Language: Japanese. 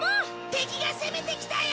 敵が攻めてきたよ！